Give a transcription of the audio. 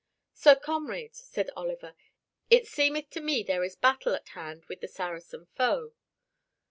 "Sir Comrade," said Oliver, "it seemeth me there is battle at hand with the Saracen foe."